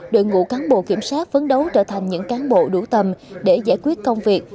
đội ngũ cán bộ kiểm soát vấn đấu trở thành những cán bộ đủ tâm để giải quyết công việc